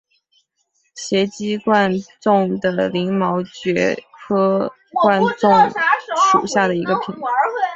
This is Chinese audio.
斜基贯众为鳞毛蕨科贯众属下的一个种。